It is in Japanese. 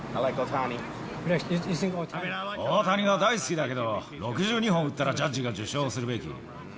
大谷は大好きだけど、６２本打ったらジャッジが受賞するべき。